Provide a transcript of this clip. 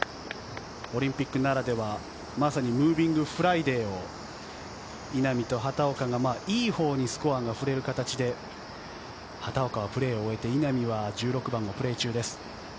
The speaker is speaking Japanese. オリンピックならではまさにムービングフライデーを稲見と畑岡がいいほうにスコアが振れる形で畑岡はプレーを終えて稲見は１６番をプレー中です。